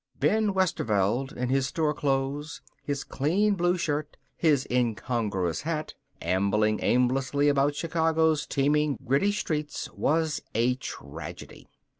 Ben Westerveld, in his store clothes, his clean blue shirt, his incongruous hat, ambling aimlessly about Chicago's teeming, gritty streets, was a tragedy.